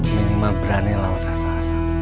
minimal berani lawan rasa asam